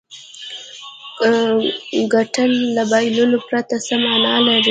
ګټل له بایللو پرته څه معنا لري.